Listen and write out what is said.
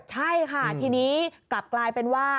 ใช่ค่ะทีนี้กลับกลายเป็นว่า